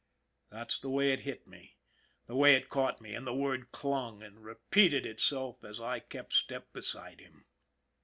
That's the way it hit me, the way it caught me, and the word clung and repeated itself as I kept step beside him.